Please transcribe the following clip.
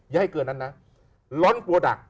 ให้เกินนั้นนะร้อนโปรดัก